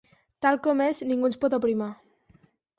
Tal com és, ningú ens pot aprimar.